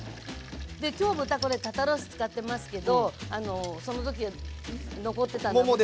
今日豚これ肩ロース使ってますけどその時残ってた。